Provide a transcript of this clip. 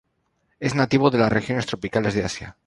Es nativo de las regiones tropicales de Asia.